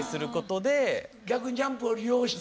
逆にジャンプを利用して。